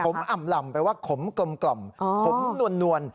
ขมอ่ำล่ำหมายความว่าขมกล่อมกล่อมขมนวน